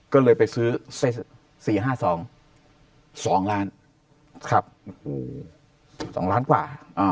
ก็เลยไปซื้อ๔๕ซอง๒ล้านครับ๒ล้านกว่า